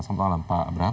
selamat malam pak abraham